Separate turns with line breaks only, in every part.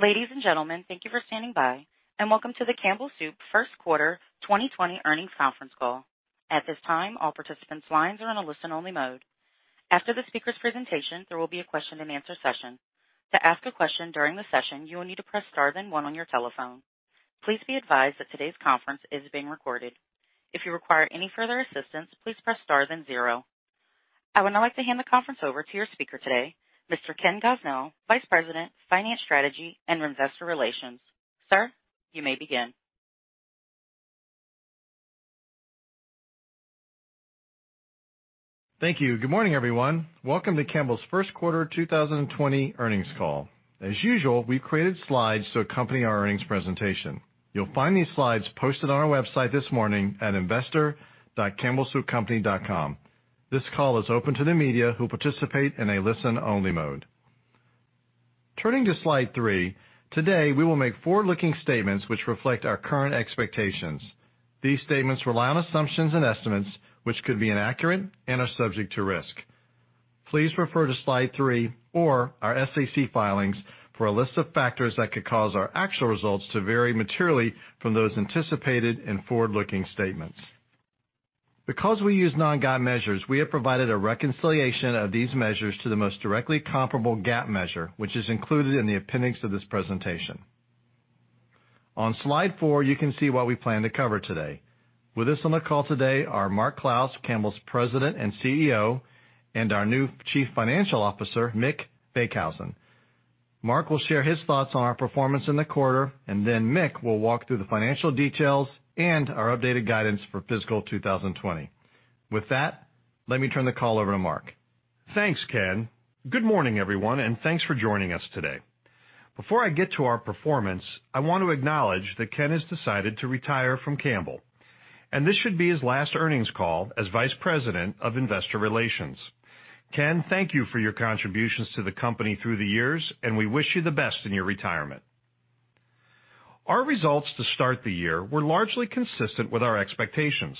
Ladies and gentlemen, thank you for standing by and welcome to the Campbell Soup first quarter 2020 earnings conference call. At this time, all participants' lines are in a listen-only mode. After the speaker's presentation, there will be a question and answer session. To ask a question during the session, you will need to press star then one on your telephone. Please be advised that today's conference is being recorded. If you require any further assistance, please press star then zero. I would now like to hand the conference over to your speaker today, Mr. Ken Gosnell, Vice President, Finance Strategy and Investor Relations. Sir, you may begin.
Thank you. Good morning, everyone. Welcome to Campbell's first quarter 2020 earnings call. As usual, we've created slides to accompany our earnings presentation. You'll find these slides posted on our website this morning at investor.campbellsoupcompany.com. This call is open to the media who participate in a listen-only mode. Turning to slide three, today we will make forward-looking statements which reflect our current expectations. These statements rely on assumptions and estimates, which could be inaccurate and are subject to risk. Please refer to slide three or our SEC filings for a list of factors that could cause our actual results to vary materially from those anticipated in forward-looking statements. Because we use non-GAAP measures, we have provided a reconciliation of these measures to the most directly comparable GAAP measure, which is included in the appendix of this presentation. On slide four, you can see what we plan to cover today. With us on the call today are Mark Clouse, Campbell's President and CEO, and our new Chief Financial Officer, Mick Beekhuizen. Mark will share his thoughts on our performance in the quarter, and then Mick will walk through the financial details and our updated guidance for fiscal 2020. With that, let me turn the call over to Mark.
Thanks, Ken. Good morning, everyone. Thanks for joining us today. Before I get to our performance, I want to acknowledge that Ken has decided to retire from Campbell, and this should be his last earnings call as Vice President of Investor Relations. Ken, thank you for your contributions to the company through the years, and we wish you the best in your retirement. Our results to start the year were largely consistent with our expectations.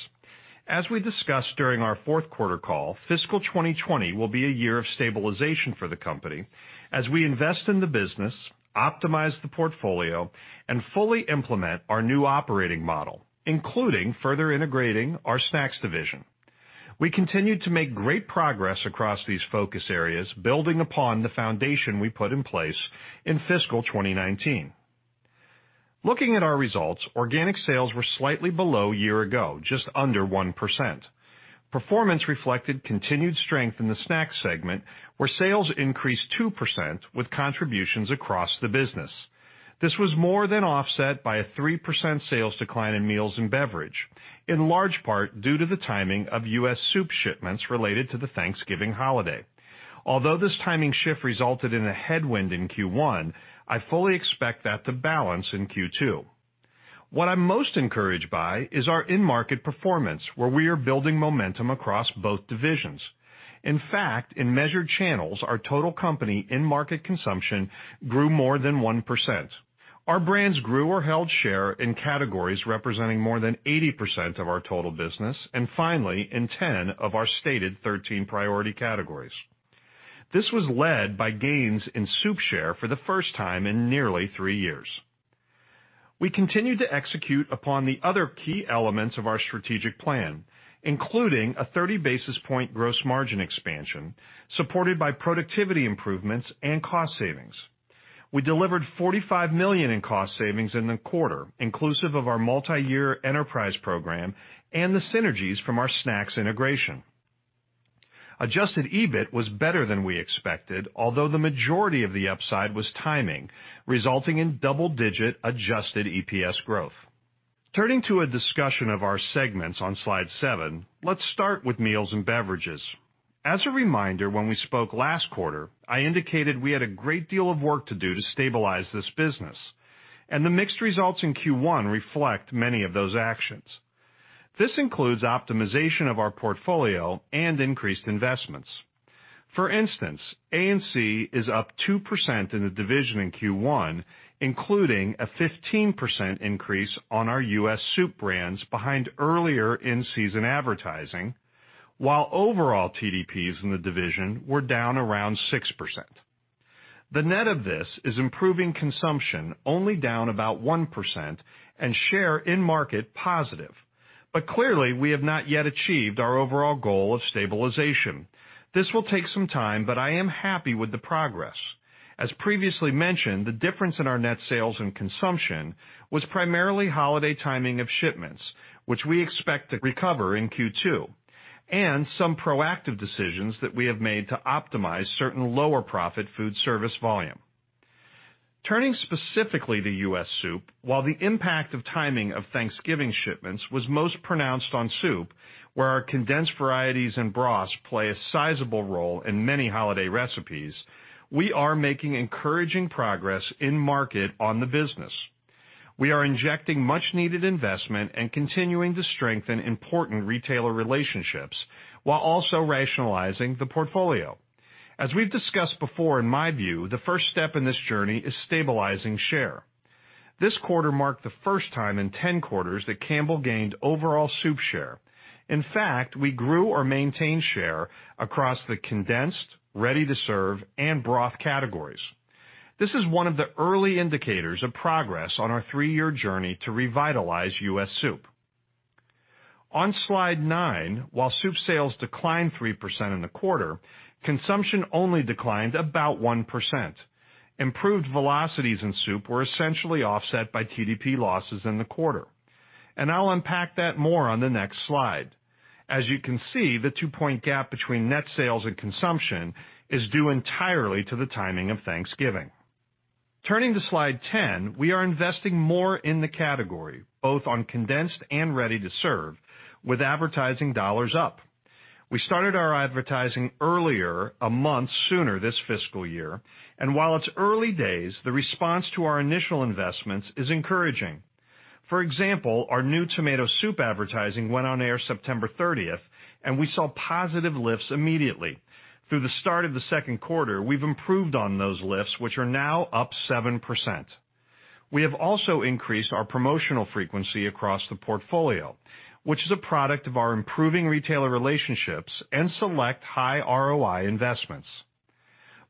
As we discussed during our fourth quarter call, fiscal 2020 will be a year of stabilization for the company as we invest in the business, optimize the portfolio, and fully implement our new operating model, including further integrating our snacks division. We continued to make great progress across these focus areas, building upon the foundation we put in place in fiscal 2019. Looking at our results, organic sales were slightly below year ago, just under 1%. Performance reflected continued strength in the snack segment, where sales increased 2% with contributions across the business. This was more than offset by a 3% sales decline in meals and beverage, in large part due to the timing of US soup shipments related to the Thanksgiving holiday. Although this timing shift resulted in a headwind in Q1, I fully expect that to balance in Q2. What I'm most encouraged by is our in-market performance, where we are building momentum across both divisions. In fact, in measured channels, our total company in-market consumption grew more than 1%. Our brands grew or held share in categories representing more than 80% of our total business, and finally, in 10 of our stated 13 priority categories. This was led by gains in soup share for the first time in nearly three years. We continued to execute upon the other key elements of our strategic plan, including a 30-basis-point gross margin expansion, supported by productivity improvements and cost savings. We delivered $45 million in cost savings in the quarter, inclusive of our multi-year enterprise program and the synergies from our snacks integration. Adjusted EBIT was better than we expected, although the majority of the upside was timing, resulting in double-digit adjusted EPS growth. Turning to a discussion of our segments on slide seven, let's start with meals and beverages. As a reminder, when we spoke last quarter, I indicated we had a great deal of work to do to stabilize this business, and the mixed results in Q1 reflect many of those actions. This includes optimization of our portfolio and increased investments. For instance, A&C is up 2% in the division in Q1, including a 15% increase on our U.S. soup brands behind earlier in-season advertising, while overall TDPs in the division were down around 6%. The net of this is improving consumption only down about 1% and share in market positive. Clearly, we have not yet achieved our overall goal of stabilization. This will take some time, but I am happy with the progress. As previously mentioned, the difference in our net sales and consumption was primarily holiday timing of shipments, which we expect to recover in Q2, and some proactive decisions that we have made to optimize certain lower profit food service volume. Turning specifically to U.S. soup, while the impact of timing of Thanksgiving shipments was most pronounced on soup, where our condensed varieties and broths play a sizable role in many holiday recipes, we are making encouraging progress in market on the business. We are injecting much needed investment and continuing to strengthen important retailer relationships while also rationalizing the portfolio. As we've discussed before, in my view, the first step in this journey is stabilizing share. This quarter marked the first time in 10 quarters that Campbell gained overall soup share. In fact, we grew or maintained share across the condensed, ready-to-serve, and broth categories. This is one of the early indicators of progress on our three-year journey to revitalize U.S. soup. On slide nine, while soup sales declined 3% in the quarter, consumption only declined about 1%. Improved velocities in soup were essentially offset by TDP losses in the quarter. I'll unpack that more on the next slide. As you can see, the two-point gap between net sales and consumption is due entirely to the timing of Thanksgiving. Turning to slide 10, we are investing more in the category, both on condensed and ready-to-serve, with advertising dollars up. We started our advertising earlier, a month sooner this fiscal year. While it's early days, the response to our initial investments is encouraging. For example, our new tomato soup advertising went on air September 30th, and we saw positive lifts immediately. Through the start of the second quarter, we've improved on those lifts, which are now up 7%. We have also increased our promotional frequency across the portfolio, which is a product of our improving retailer relationships and select high ROI investments.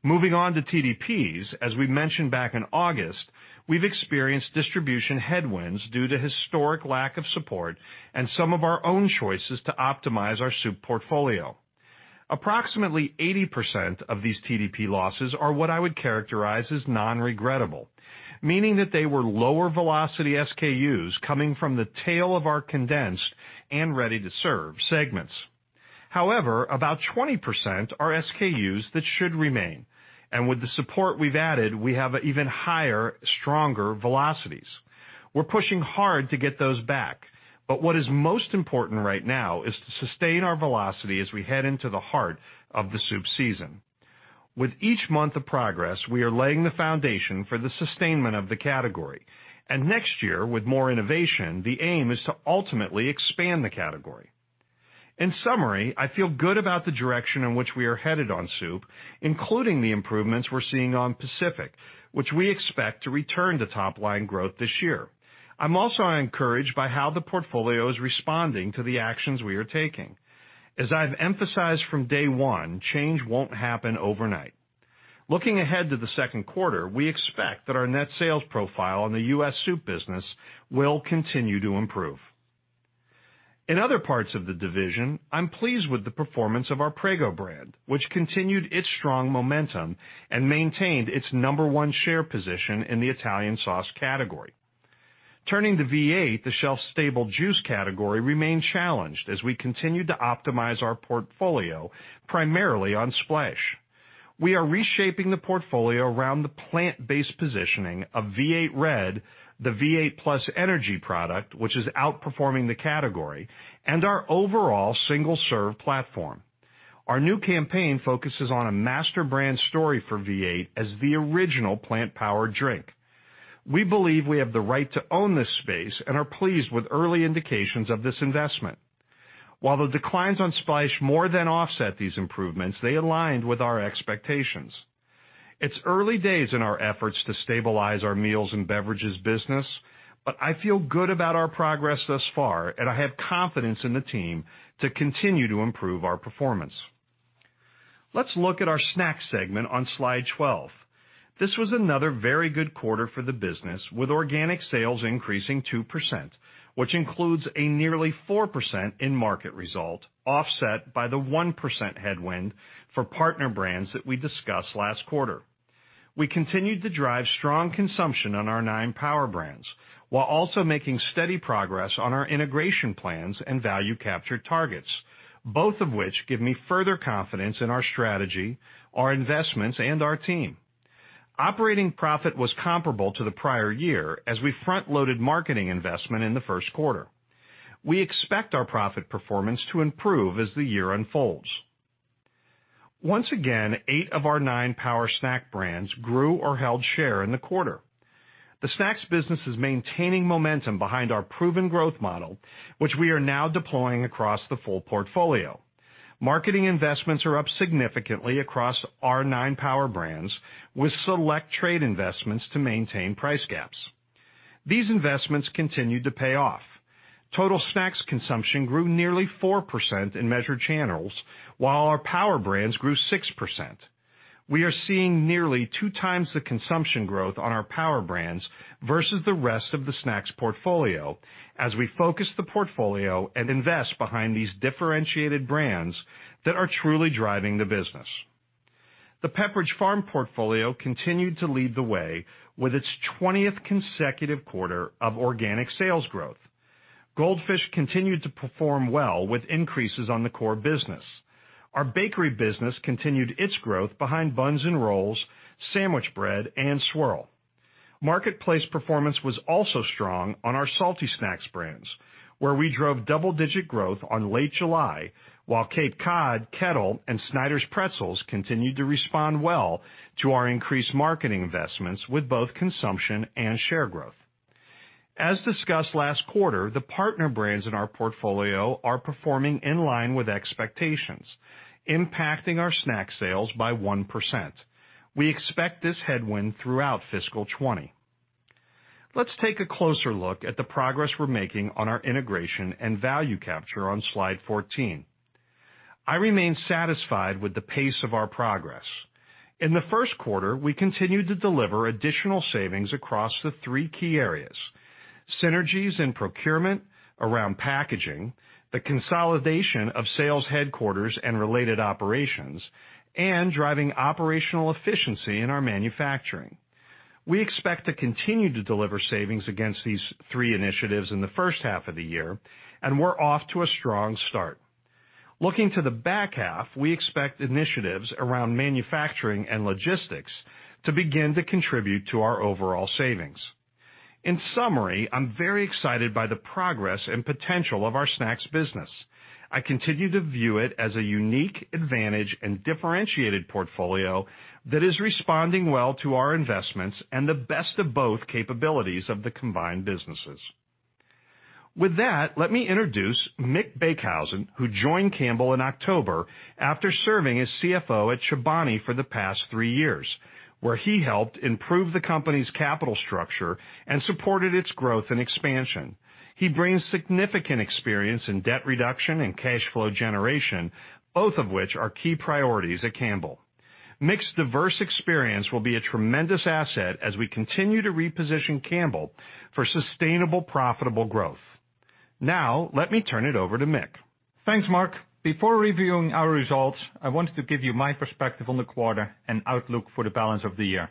Moving on to TDPs, as we mentioned back in August, we've experienced distribution headwinds due to historic lack of support and some of our own choices to optimize our soup portfolio. Approximately 80% of these TDP losses are what I would characterize as non-regrettable, meaning that they were lower velocity SKUs coming from the tail of our condensed and ready-to-serve segments. However, about 20% are SKUs that should remain. With the support we've added, we have even higher, stronger velocities. We're pushing hard to get those back, but what is most important right now is to sustain our velocity as we head into the heart of the soup season. With each month of progress, we are laying the foundation for the sustainment of the category. Next year, with more innovation, the aim is to ultimately expand the category. In summary, I feel good about the direction in which we are headed on soup, including the improvements we're seeing on Pacific, which we expect to return to top-line growth this year. I'm also encouraged by how the portfolio is responding to the actions we are taking. As I've emphasized from day one, change won't happen overnight. Looking ahead to the second quarter, we expect that our net sales profile on the U.S. soup business will continue to improve. In other parts of the division, I'm pleased with the performance of our Prego brand, which continued its strong momentum and maintained its number one share position in the Italian sauce category. Turning to V8, the shelf-stable juice category remained challenged as we continued to optimize our portfolio, primarily on splash. We are reshaping the portfolio around the plant-based positioning of V8 Red, the V8 +Energy product, which is outperforming the category, and our overall single-serve platform. Our new campaign focuses on a master brand story for V8 as the original plant-powered drink. We believe we have the right to own this space and are pleased with early indications of this investment. While the declines on V8 Splash more than offset these improvements, they aligned with our expectations. It's early days in our efforts to stabilize our meals and beverages business, but I feel good about our progress thus far, and I have confidence in the team to continue to improve our performance. Let's look at our snack segment on slide 12. This was another very good quarter for the business, with organic sales increasing 2%, which includes a nearly 4% in-market result, offset by the 1% headwind for partner brands that we discussed last quarter. We continued to drive strong consumption on our nine power brands while also making steady progress on our integration plans and value capture targets, both of which give me further confidence in our strategy, our investments, and our team. Operating profit was comparable to the prior year as we front-loaded marketing investment in the first quarter. We expect our profit performance to improve as the year unfolds. Once again, eight of our nine power snack brands grew or held share in the quarter. The snacks business is maintaining momentum behind our proven growth model, which we are now deploying across the full portfolio. Marketing investments are up significantly across our nine power brands, with select trade investments to maintain price gaps. These investments continued to pay off. Total snacks consumption grew nearly 4% in measured channels, while our power brands grew 6%. We are seeing nearly 2 times the consumption growth on our power brands versus the rest of the snacks portfolio as we focus the portfolio and invest behind these differentiated brands that are truly driving the business. The Pepperidge Farm portfolio continued to lead the way with its 20th consecutive quarter of organic sales growth. Goldfish continued to perform well with increases on the core business. Our bakery business continued its growth behind buns and rolls, sandwich bread, and swirl. Marketplace performance was also strong on our salty snacks brands, where we drove double-digit growth on Late July, while Cape Cod, Kettle, and Snyder's Pretzels continued to respond well to our increased marketing investments with both consumption and share growth. As discussed last quarter, the partner brands in our portfolio are performing in line with expectations, impacting our snack sales by 1%. We expect this headwind throughout fiscal 2020. Let's take a closer look at the progress we're making on our integration and value capture on slide 14. I remain satisfied with the pace of our progress. In the first quarter, we continued to deliver additional savings across the three key areas, synergies in procurement around packaging, the consolidation of sales headquarters and related operations, and driving operational efficiency in our manufacturing. We expect to continue to deliver savings against these three initiatives in the first half of the year, and we're off to a strong start. Looking to the back half, we expect initiatives around manufacturing and logistics to begin to contribute to our overall savings. In summary, I'm very excited by the progress and potential of our snacks business. I continue to view it as a unique advantage and differentiated portfolio that is responding well to our investments and the best of both capabilities of the combined businesses. With that, let me introduce Mick Beekhuizen, who joined Campbell in October after serving as CFO at Chobani for the past three years, where he helped improve the company's capital structure and supported its growth and expansion. He brings significant experience in debt reduction and cash flow generation, both of which are key priorities at Campbell. Mick's diverse experience will be a tremendous asset as we continue to reposition Campbell for sustainable, profitable growth. Now, let me turn it over to Mick.
Thanks, Mark. Before reviewing our results, I wanted to give you my perspective on the quarter and outlook for the balance of the year.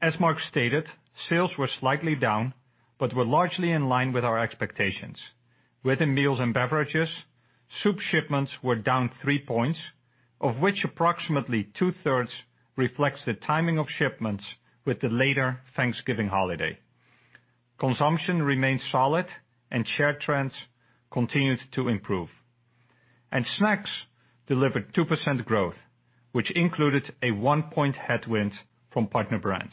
As Mark stated, sales were slightly down, but were largely in line with our expectations. Within meals and beverages, soup shipments were down three points, of which approximately two-thirds reflects the timing of shipments with the later Thanksgiving holiday. Consumption remained solid and share trends continued to improve. Snacks delivered 2% growth, which included a one-point headwind from partner brands.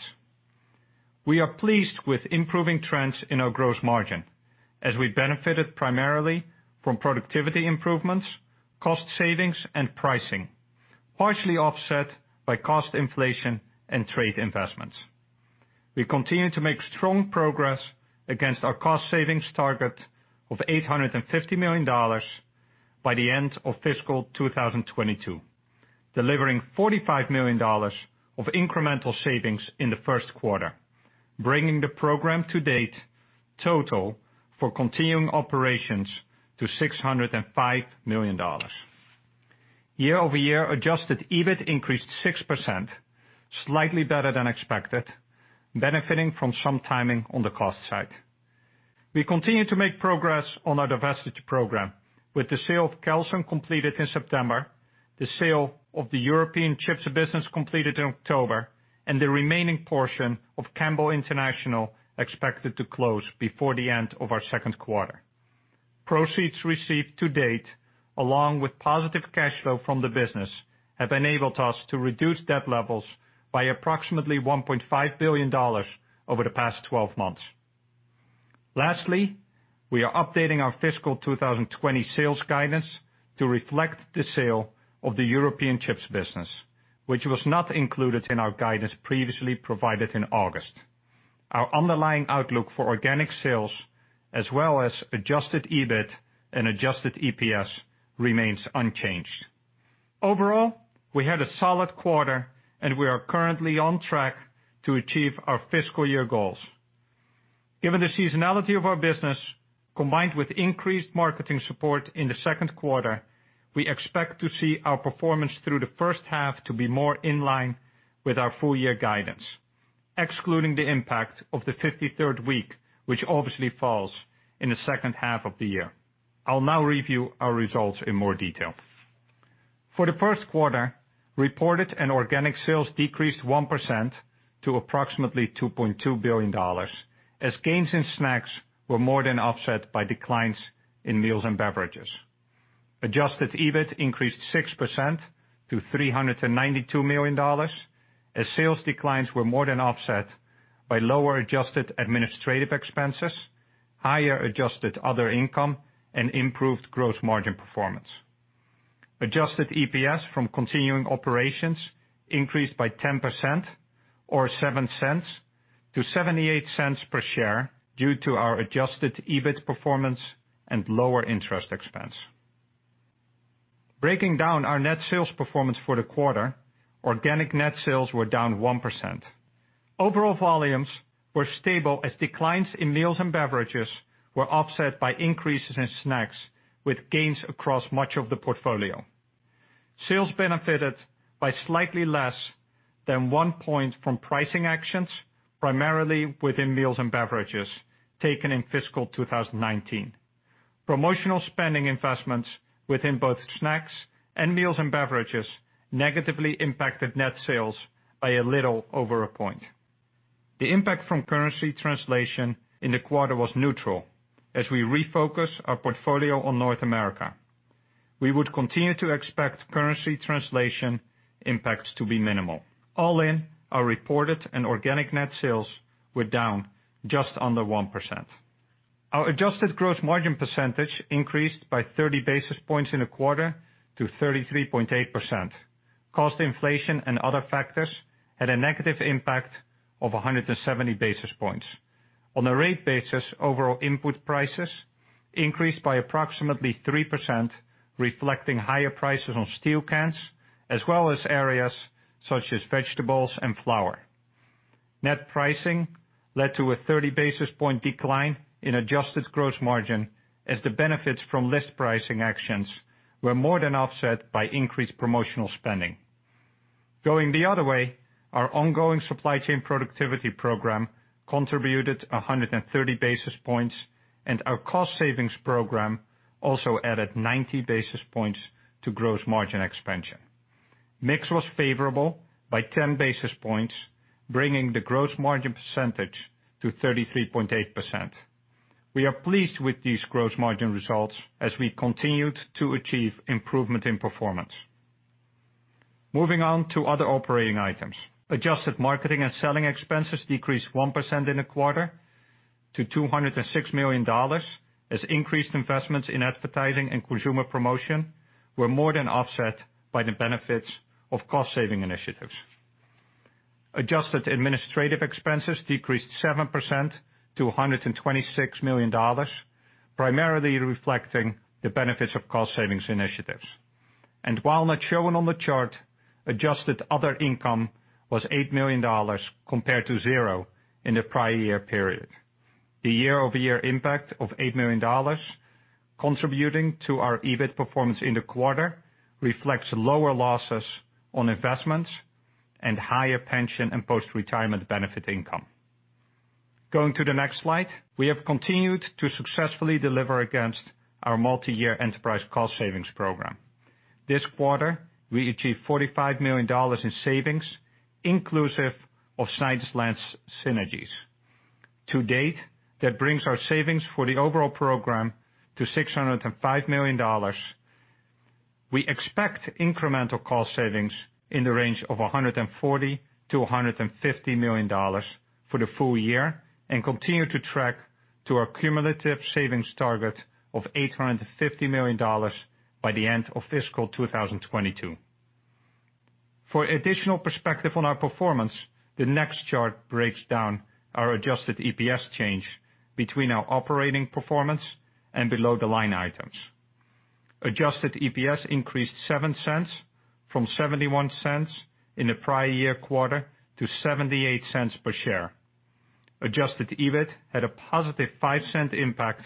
We are pleased with improving trends in our gross margin as we benefited primarily from productivity improvements, cost savings, and pricing, partially offset by cost inflation and trade investments. We continue to make strong progress against our cost savings target of $850 million by the end of fiscal 2022, delivering $45 million of incremental savings in the first quarter, bringing the program to date total for continuing operations to $605 million. Year-over-year adjusted EBIT increased 6%, slightly better than expected, benefiting from some timing on the cost side. We continue to make progress on our divestiture program with the sale of Kelsen completed in September, the sale of the European chips business completed in October, and the remaining portion of Campbell International expected to close before the end of our second quarter. Proceeds received to date, along with positive cash flow from the business, have enabled us to reduce debt levels by approximately $1.5 billion over the past 12 months. Lastly, we are updating our fiscal 2020 sales guidance to reflect the sale of the European chips business, which was not included in our guidance previously provided in August. Our underlying outlook for organic sales as well as adjusted EBIT and adjusted EPS remains unchanged. Overall, we had a solid quarter and we are currently on track to achieve our fiscal year goals. Given the seasonality of our business, combined with increased marketing support in the second quarter, we expect to see our performance through the first half to be more in line with our full year guidance, excluding the impact of the 53rd week, which obviously falls in the second half of the year. I'll now review our results in more detail. For the first quarter, reported and organic sales decreased 1% to approximately $2.2 billion as gains in snacks were more than offset by declines in meals and beverages. Adjusted EBIT increased 6% to $392 million, as sales declines were more than offset by lower adjusted administrative expenses, higher adjusted other income, and improved gross margin performance. Adjusted EPS from continuing operations increased by 10% or $0.07 to $0.78 per share due to our adjusted EBIT performance and lower interest expense. Breaking down our net sales performance for the quarter, organic net sales were down 1%. Overall volumes were stable as declines in meals and beverages were offset by increases in snacks with gains across much of the portfolio. Sales benefited by slightly less than one point from pricing actions, primarily within meals and beverages taken in fiscal 2019. Promotional spending investments within both snacks and meals and beverages negatively impacted net sales by a little over a point. The impact from currency translation in the quarter was neutral as we refocus our portfolio on North America. We would continue to expect currency translation impacts to be minimal. All in, our reported and organic net sales were down just under 1%. Our adjusted gross margin percentage increased by 30 basis points in the quarter to 33.8%. Cost inflation and other factors had a negative impact of 170 basis points. On a rate basis, overall input prices increased by approximately 3%, reflecting higher prices on steel cans as well as areas such as vegetables and flour. Net pricing led to a 30 basis point decline in adjusted gross margin as the benefits from list pricing actions were more than offset by increased promotional spending. Going the other way, our ongoing supply chain productivity program contributed 130 basis points, and our cost savings program also added 90 basis points to gross margin expansion. Mix was favorable by 10 basis points, bringing the gross margin percentage to 33.8%. We are pleased with these gross margin results as we continued to achieve improvement in performance. Moving on to other operating items. Adjusted marketing and selling expenses decreased 1% in the quarter to $206 million, as increased investments in advertising and consumer promotion were more than offset by the benefits of cost-saving initiatives. Adjusted administrative expenses decreased 7% to $126 million, primarily reflecting the benefits of cost savings initiatives. While not shown on the chart, adjusted other income was $8 million compared to zero in the prior year period. The year-over-year impact of $8 million contributing to our EBIT performance in the quarter reflects lower losses on investments and higher pension and post-retirement benefit income. Going to the next slide, we have continued to successfully deliver against our multi-year enterprise cost savings program. This quarter, we achieved $45 million in savings, inclusive of Snyder's-Lance synergies. To date, that brings our savings for the overall program to $605 million. We expect incremental cost savings in the range of $140 million-$150 million for the full year and continue to track to our cumulative savings target of $850 million by the end of fiscal 2022. For additional perspective on our performance, the next chart breaks down our adjusted EPS change between our operating performance and below-the-line items. Adjusted EPS increased $0.07 from $0.71 in the prior year quarter to $0.78 per share. Adjusted EBIT had a positive $0.05 impact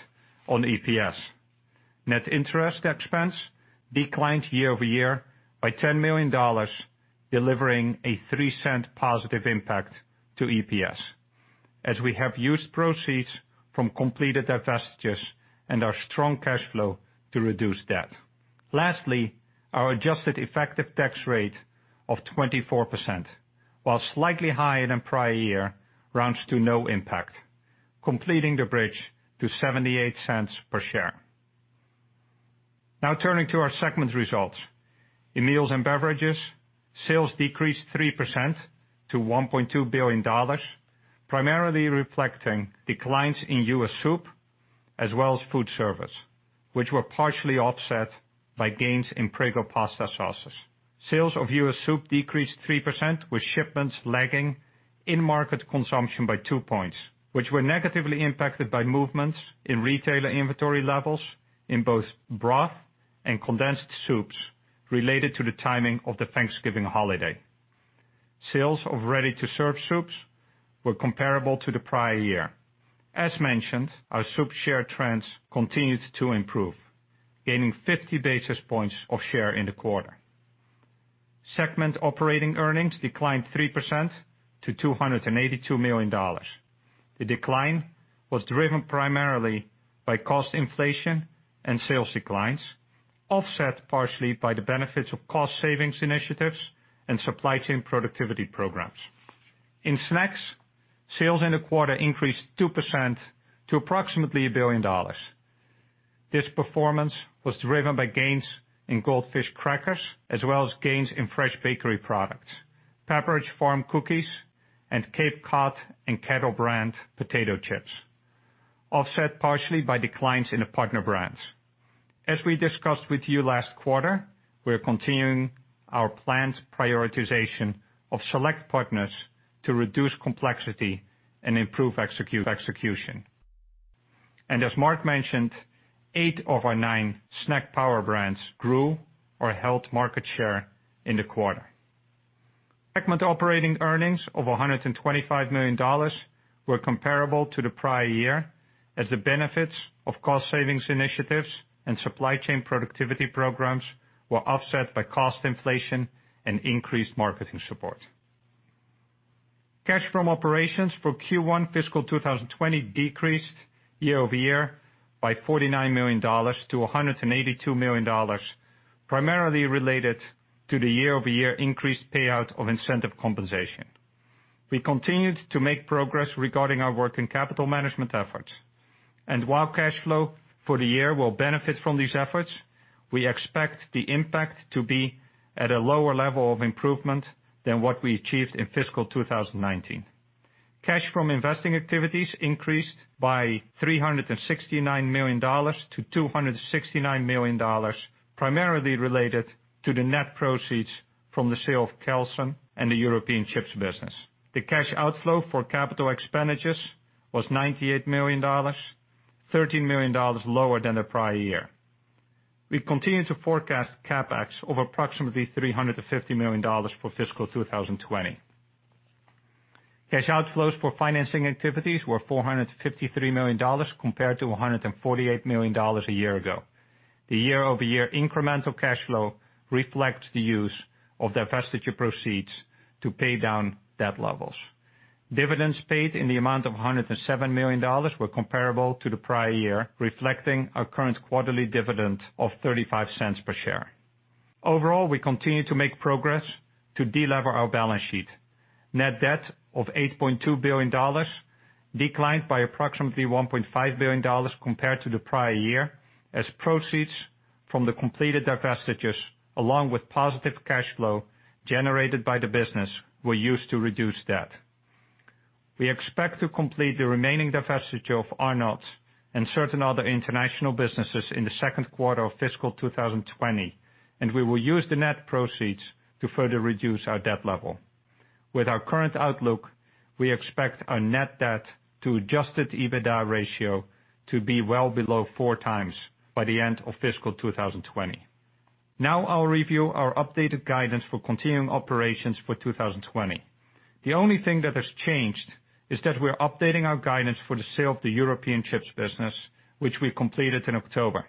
on EPS. Net interest expense declined year-over-year by $10 million, delivering a $0.03 positive impact to EPS, as we have used proceeds from completed divestitures and our strong cash flow to reduce debt. Lastly, our adjusted effective tax rate of 24%, while slightly higher than prior year, rounds to no impact, completing the bridge to $0.78 per share. Turning to our segment results. In meals and beverages, sales decreased 3% to $1.2 billion, primarily reflecting declines in U.S. soup as well as food service, which were partially offset by gains in Prego pasta sauces. Sales of U.S. soup decreased 3%, with shipments lagging in-market consumption by two points, which were negatively impacted by movements in retailer inventory levels in both broth and condensed soups related to the timing of the Thanksgiving holiday. Sales of ready-to-serve soups were comparable to the prior year. As mentioned, our soup share trends continued to improve, gaining 50 basis points of share in the quarter. Segment operating earnings declined 3% to $282 million. The decline was driven primarily by cost inflation and sales declines, offset partially by the benefits of cost savings initiatives and supply chain productivity programs. In snacks, sales in the quarter increased 2% to approximately $1 billion. This performance was driven by gains in Goldfish crackers as well as gains in fresh bakery products, Pepperidge Farm cookies, and Cape Cod and Kettle Brand potato chips, offset partially by declines in the partner brands. As we discussed with you last quarter, we're continuing our planned prioritization of select partners to reduce complexity and improve execution. As Mark mentioned, eight of our nine snack power brands grew or held market share in the quarter. Segment operating earnings of $125 million were comparable to the prior year as the benefits of cost savings initiatives and supply chain productivity programs were offset by cost inflation and increased marketing support. Cash from operations for Q1 fiscal 2020 decreased year-over-year by $49 million to $182 million, primarily related to the year-over-year increased payout of incentive compensation. We continued to make progress regarding our working capital management efforts. While cash flow for the year will benefit from these efforts, we expect the impact to be at a lower level of improvement than what we achieved in fiscal 2019. Cash from investing activities increased by $369 million to $269 million, primarily related to the net proceeds from the sale of Kelsen and the European chips business. The cash outflow for capital expenditures was $98 million, $13 million lower than the prior year. We continue to forecast CapEx of approximately $350 million for fiscal 2020. Cash outflows for financing activities were $453 million, compared to $148 million a year ago. The year-over-year incremental cash flow reflects the use of divestiture proceeds to pay down debt levels. Dividends paid in the amount of $107 million were comparable to the prior year, reflecting our current quarterly dividend of $0.35 per share. Overall, we continue to make progress to de-lever our balance sheet. Net debt of $8.2 billion declined by approximately $1.5 billion compared to the prior year, as proceeds from the completed divestitures, along with positive cash flow generated by the business, were used to reduce debt. We expect to complete the remaining divestiture of Arnott's and certain other international businesses in the second quarter of fiscal 2020. We will use the net proceeds to further reduce our debt level. With our current outlook, we expect our net debt to adjusted EBITDA ratio to be well below four times by the end of fiscal 2020. Now I'll review our updated guidance for continuing operations for 2020. The only thing that has changed is that we're updating our guidance for the sale of the European chips business, which we completed in October.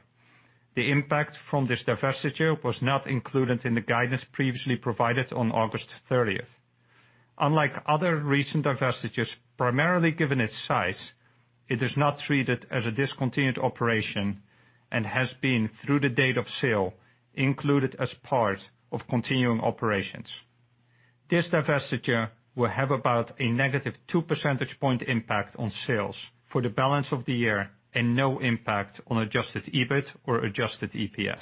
The impact from this divestiture was not included in the guidance previously provided on August 30th. Unlike other recent divestitures, primarily given its size, it is not treated as a discontinued operation and has been, through the date of sale, included as part of continuing operations. This divestiture will have about a negative two percentage point impact on sales for the balance of the year and no impact on adjusted EBIT or adjusted EPS.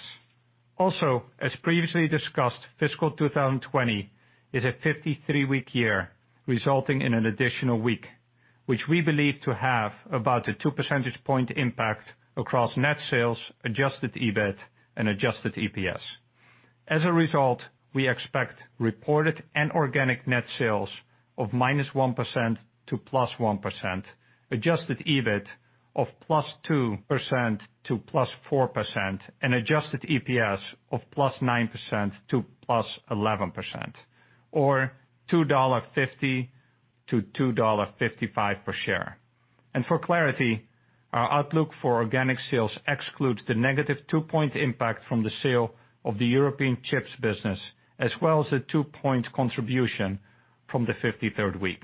Also, as previously discussed, fiscal 2020 is a 53-week year, resulting in an additional week, which we believe to have about a two percentage point impact across net sales, adjusted EBIT, and adjusted EPS. As a result, we expect reported and organic net sales of -1% to +1%, adjusted EBIT of +2% to +4%, and adjusted EPS of +9% to +11%, or $2.50-$2.55 per share. For clarity, our outlook for organic sales excludes the negative two-point impact from the sale of the European chips business, as well as the two-point contribution from the 53rd week.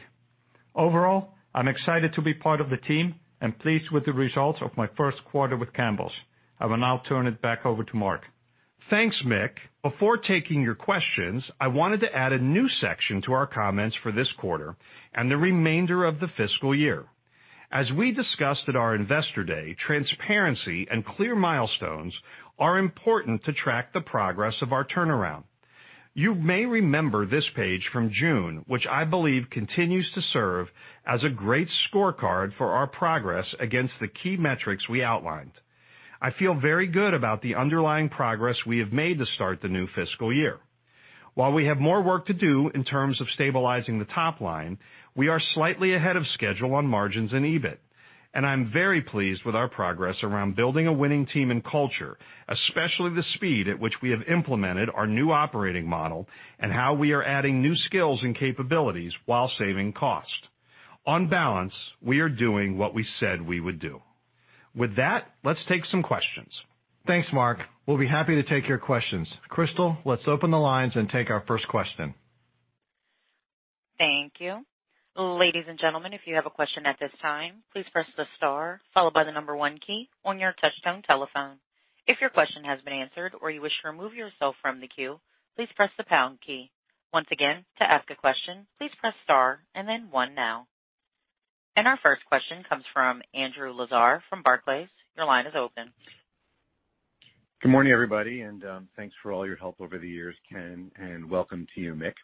Overall, I'm excited to be part of the team and pleased with the results of my first quarter with Campbell's. I will now turn it back over to Mark.
Thanks, Mick. Before taking your questions, I wanted to add a new section to our comments for this quarter and the remainder of the fiscal year. As we discussed at our Investor Day, transparency and clear milestones are important to track the progress of our turnaround. You may remember this page from June, which I believe continues to serve as a great scorecard for our progress against the key metrics we outlined. I feel very good about the underlying progress we have made to start the new fiscal year. While we have more work to do in terms of stabilizing the top line, we are slightly ahead of schedule on margins and EBIT. I'm very pleased with our progress around building a winning team and culture, especially the speed at which we have implemented our new operating model and how we are adding new skills and capabilities while saving cost. On balance, we are doing what we said we would do. With that, let's take some questions.
Thanks, Mark. We'll be happy to take your questions. Crystal, let's open the lines and take our first question.
Thank you. Ladies and gentlemen, if you have a question at this time, please press the star followed by the number one key on your touchtone telephone. If your question has been answered or you wish to remove yourself from the queue, please press the pound key. Once again, to ask a question, please press star and then one now. Our first question comes from Andrew Lazar from Barclays. Your line is open.
Good morning, everybody, and thanks for all your help over the years, Ken, and welcome to you, Mick.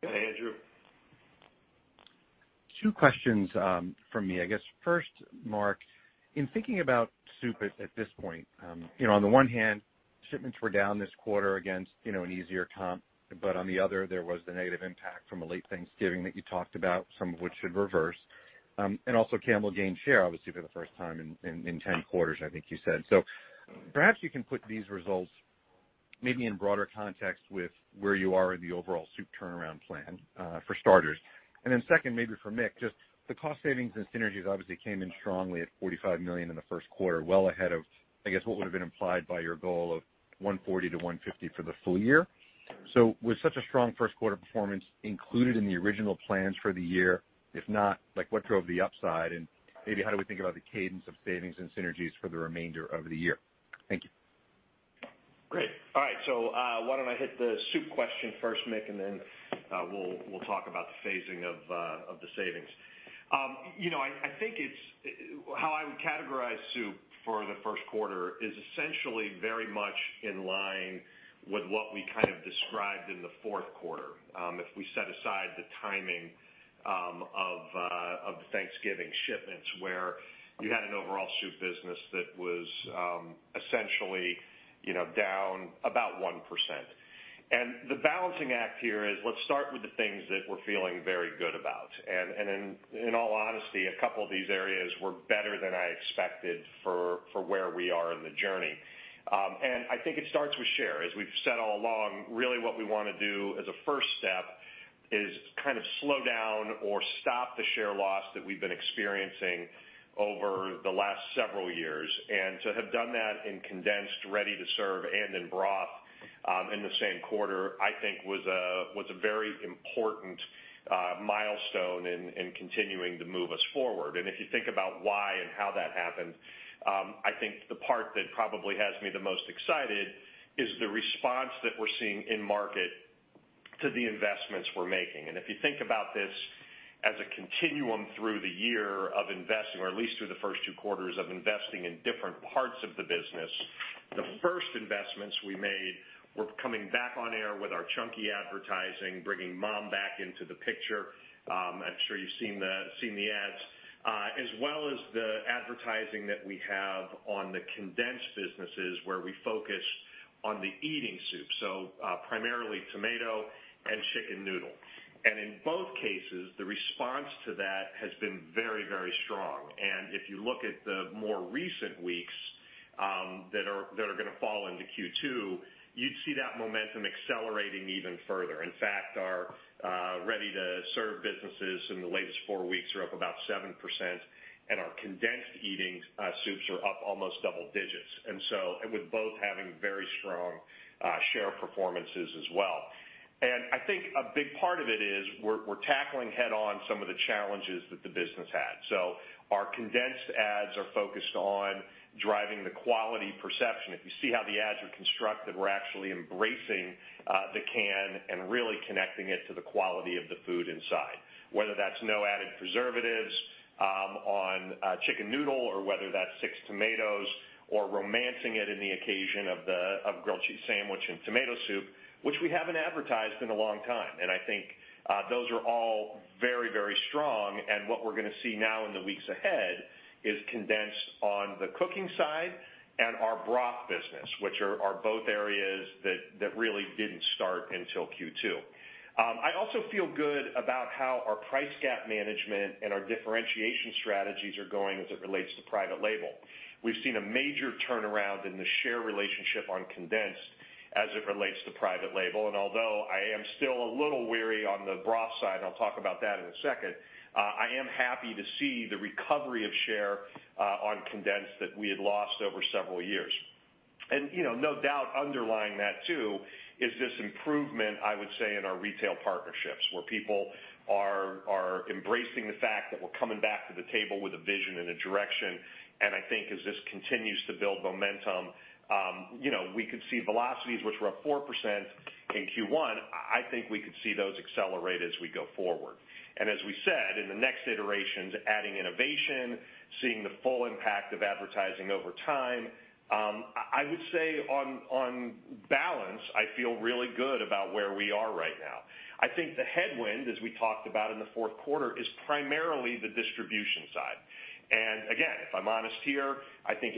Hey, Andrew.
Two questions from me. First, Mark, in thinking about soup at this point, on the one hand, shipments were down this quarter against an easier comp, but on the other, there was the negative impact from a late Thanksgiving that you talked about, some of which should reverse. Also, Campbell gained share, obviously, for the first time in 10 quarters, I think you said. Perhaps you can put these results maybe in broader context with where you are in the overall soup turnaround plan, for starters. Second, maybe for Mick, just the cost savings and synergies obviously came in strongly at $45 million in the first quarter, well ahead of, I guess, what would have been implied by your goal of $140 million-$150 million for the full year. Was such a strong first quarter performance included in the original plans for the year? If not, what drove the upside and maybe how do we think about the cadence of savings and synergies for the remainder of the year? Thank you.
Great. All right. Why don't I hit the soup question first, Mick, and then we'll talk about the phasing of the savings. I think how I would categorize soup for the first quarter is essentially very much in line with what we kind of described in the fourth quarter. If we set aside the timing of the Thanksgiving shipments, where you had an overall soup business that was essentially down about 1%. The balancing act here is, let's start with the things that we're feeling very good about. In all honesty, a couple of these areas were better than I expected for where we are in the journey. I think it starts with share. As we've said all along, really what we want to do as a first step is kind of slow down or stop the share loss that we've been experiencing over the last several years. To have done that in condensed, ready-to-serve, and in broth in the same quarter, I think was a very important milestone in continuing to move us forward. If you think about why and how that happened, I think the part that probably has me the most excited is the response that we're seeing in market to the investments we're making. If you think about this as a continuum through the year of investing, or at least through the first two quarters of investing in different parts of the business, the first investments we made were coming back on air with our chunky advertising, bringing mom back into the picture. I'm sure you've seen the ads. As well as the advertising that we have on the condensed businesses, where we focus on the eating soup, so primarily tomato and chicken noodle. In both cases, the response to that has been very, very strong. If you look at the more recent weeks that are going to fall into Q2, you'd see that momentum accelerating even further. In fact, our ready-to-serve businesses in the latest four weeks are up about 7%, and our condensed eating soups are up almost double digits. With both having very strong share performances as well. I think a big part of it is, we're tackling head-on some of the challenges that the business had. Our condensed ads are focused on driving the quality perception. If you see how the ads are constructed, we're actually embracing the can and really connecting it to the quality of the food inside, whether that's no added preservatives on chicken noodle or whether that's six tomatoes or romancing it in the occasion of grilled cheese sandwich and tomato soup, which we haven't advertised in a long time. I think those are all very, very strong, and what we're going to see now in the weeks ahead is condensed on the cooking side and our Swanson business, which are both areas that really didn't start until Q2. I also feel good about how our price gap management and our differentiation strategies are going as it relates to private label. We've seen a major turnaround in the share relationship on condensed as it relates to private label. Although I am still a little wary on the broth side, and I'll talk about that in a second, I am happy to see the recovery of share on condensed that we had lost over several years. No doubt underlying that too, is this improvement, I would say, in our retail partnerships, where people are embracing the fact that we're coming back to the table with a vision and a direction. I think as this continues to build momentum, we could see velocities, which were up 4% in Q1, I think we could see those accelerate as we go forward. As we said, in the next iterations, adding innovation, seeing the full impact of advertising over time, I would say on balance, I feel really good about where we are right now. I think the headwind, as we talked about in the fourth quarter, is primarily the distribution side. Again, if I'm honest here, I think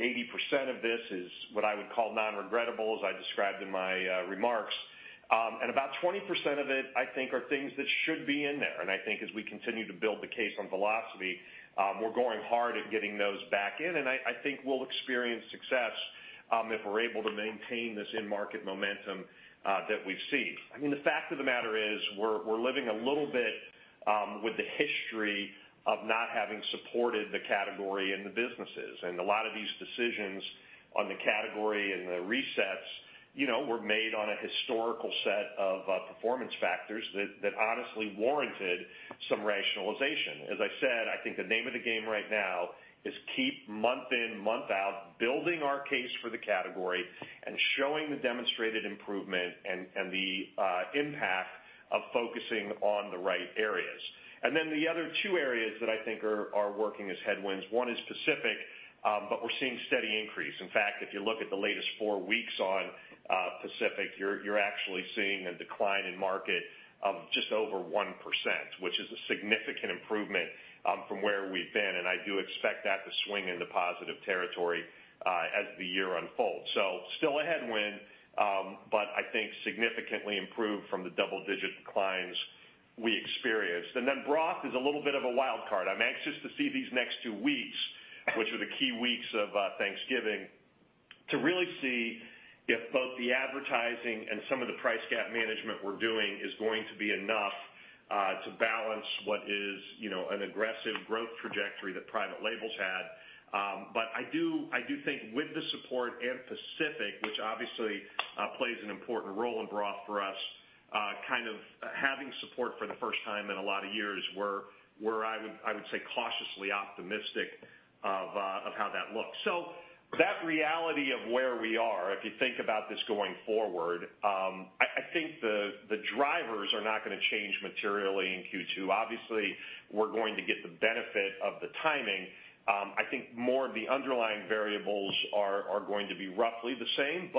80% of this is what I would call non-regrettable, as I described in my remarks. About 20% of it, I think, are things that should be in there. I think as we continue to build the case on velocity, we're going hard at getting those back in, and I think we'll experience success if we're able to maintain this in-market momentum that we see. The fact of the matter is, we're living a little bit with the history of not having supported the category and the businesses. A lot of these decisions on the category and the resets were made on a historical set of performance factors that honestly warranted some rationalization. As I said, I think the name of the game right now is keep month in, month out, building our case for the category and showing the demonstrated improvement and the impact of focusing on the right areas. The other two areas that I think are working as headwinds, one is Pacific, but we're seeing steady increase. In fact, if you look at the latest four weeks on Pacific, you're actually seeing a decline in market of just over 1%, which is a significant improvement from where we've been. I do expect that to swing into positive territory as the year unfolds. Still a headwind, but I think significantly improved from the double-digit declines we experienced. Broth is a little bit of a wild card. I'm anxious to see these next two weeks, which are the key weeks of Thanksgiving, to really see if both the advertising and some of the price gap management we're doing is going to be enough to balance what is an aggressive growth trajectory that private labels had. I do think with the support and Pacific, which obviously plays an important role in broth for us, kind of having support for the first time in a lot of years, we're, I would say, cautiously optimistic of how that looks. That reality of where we are, if you think about this going forward, I think the drivers are not going to change materially in Q2. Obviously, we're going to get the benefit of the timing. I think more of the underlying variables are going to be roughly the same.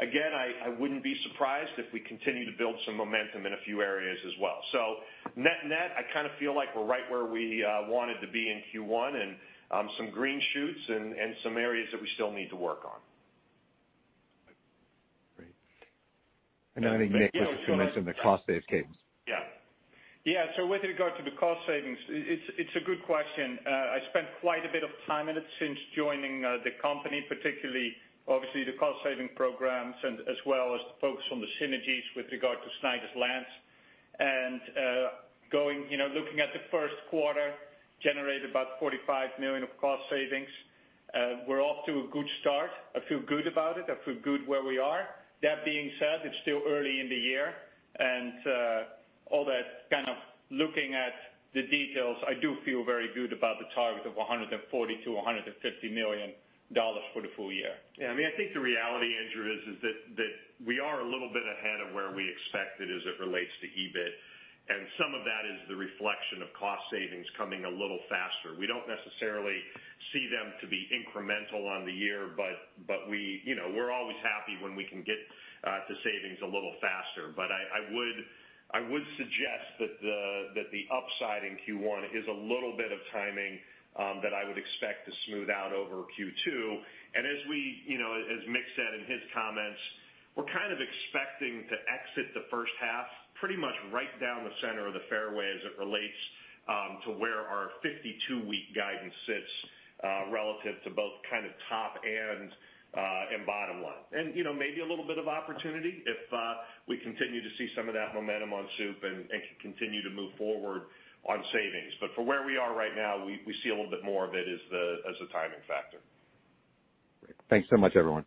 Again, I wouldn't be surprised if we continue to build some momentum in a few areas as well. Net-net, I feel like we're right where we wanted to be in Q1, and some green shoots and some areas that we still need to work on.
Great. I think Mick was going to mention the cost-save cadence.
Yeah.
With regard to the cost savings, it's a good question. I spent quite a bit of time on it since joining the company, particularly, obviously, the cost-saving programs, and as well as the focus on the synergies with regard to Snyder's-Lance. Looking at the first quarter, generated about $45 million of cost savings. We're off to a good start. I feel good about it. I feel good where we are. That being said, it's still early in the year and all that looking at the details, I do feel very good about the target of $140 million-$150 million for the full year.
Yeah, I think the reality, Andrew, is that we are a little bit ahead of where we expected as it relates to EBIT, some of that is the reflection of cost savings coming a little faster. We don't necessarily see them to be incremental on the year, but we're always happy when we can get to savings a little faster. I would suggest that the upside in Q1 is a little bit of timing that I would expect to smooth out over Q2. As Mick said in his comments, we're kind of expecting to exit the first half pretty much right down the center of the fairway as it relates to where our 52-week guidance sits relative to both top and bottom line. Maybe a little bit of opportunity if we continue to see some of that momentum on soup and can continue to move forward on savings. For where we are right now, we see a little bit more of it as the timing factor.
Great. Thanks so much, everyone.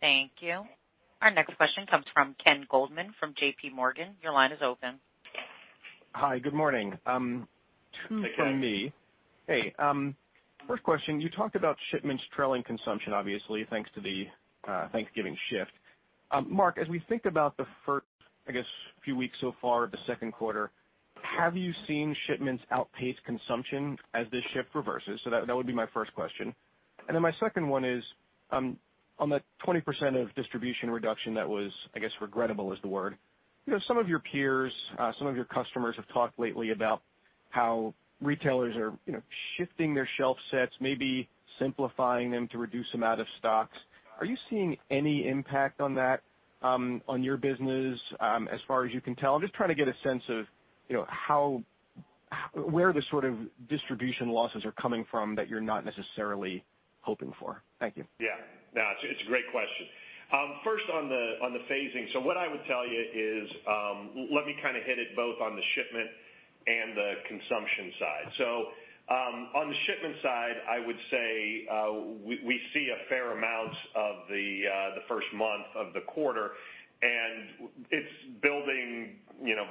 Thank you. Our next question comes from Ken Goldman from J.P. Morgan. Your line is open.
Hi, good morning.
Hey, Ken.
Two from me. Hey. First question, you talked about shipments trailing consumption, obviously, thanks to the Thanksgiving shift. Mark, as we think about the first, I guess, few weeks so far of the second quarter, have you seen shipments outpace consumption as this shift reverses? That would be my first question. My second one is on that 20% of distribution reduction that was, I guess, regrettable is the word. Some of your peers, some of your customers have talked lately about how retailers are shifting their shelf sets, maybe simplifying them to reduce amount of stocks. Are you seeing any impact on that on your business as far as you can tell? I'm just trying to get a sense of where the sort of distribution losses are coming from that you're not necessarily hoping for. Thank you.
No, it's a great question. First on the phasing. What I would tell you is, let me hit it both on the shipment and the consumption side. On the shipment side, I would say, we see a fair amount of the first month of the quarter, and it's building